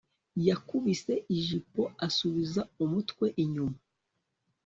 Yakubise ijipo asubiza umutwe inyuma